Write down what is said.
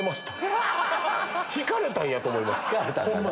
引かれたんやと思いますホンマ